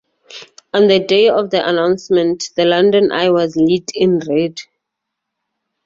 On the day of the announcement, the London Eye was lit in red.